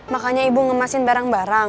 makanya ibu ngemasin barang barang